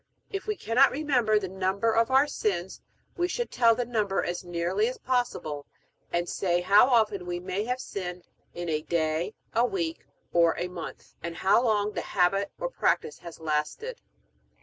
If we cannot remember the number of our sins, we should tell the number as nearly as possible, and say how often we may have sinned in a day, a week, or a month, and how long the habit or practice has lasted.